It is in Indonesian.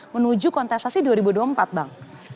menuju kontestasi dua ribu dua puluh empat bang